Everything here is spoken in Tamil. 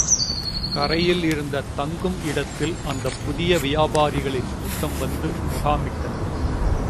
கரையில் இருந்த தங்கும் இடத்தில் அந்தப் புதிய வியாபாரிகளின் கூட்டம் வந்து முகாமிட்டது.